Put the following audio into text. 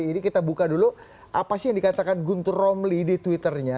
jadi kita buka dulu apa sih yang dikatakan guntur romli di twitter nya